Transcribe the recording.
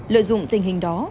lợi dụng tình hình đó